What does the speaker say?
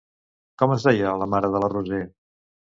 Com es deia la mare de la Roser?